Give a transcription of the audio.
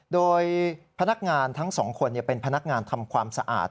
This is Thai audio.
โดยพนักงานทั้งสองคนเป็นพนักงานทำความสะอาด